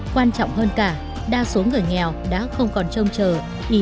quan trọng hơn cả đa số người nghèo đã không còn trông chờ ý lại